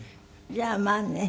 じゃあまあね。